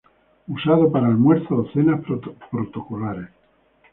Usado para almuerzos o cenas protocolares.